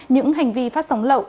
những hành vi phát sóng lậu